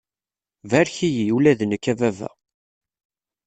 Barek-iyi, ula d nekk, a baba!